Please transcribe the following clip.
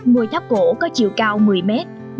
ngôi tháp cổ có chiều cao một mươi m mỗi cạnh năm m